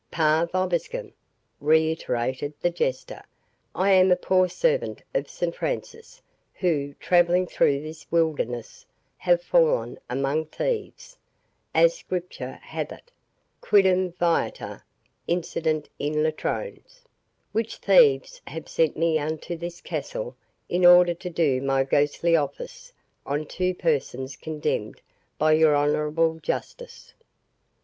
"'Pax vobiscum'," reiterated the Jester, "I am a poor servant of St Francis, who, travelling through this wilderness, have fallen among thieves, (as Scripture hath it,) 'quidam viator incidit in latrones', which thieves have sent me unto this castle in order to do my ghostly office on two persons condemned by your honourable justice."